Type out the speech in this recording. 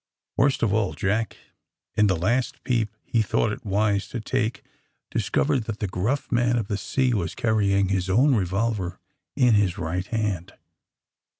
Worst of all Jack, in the last peep he thought it wise to take, discovered that the gruff man of the sea was carrying his own revolver in his right hand!